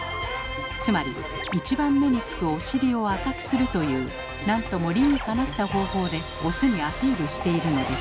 つまり一番目につくお尻を赤くするというなんとも理にかなった方法でオスにアピールしているのです。